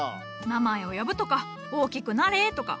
名前を呼ぶとか「大きくなれ」とか。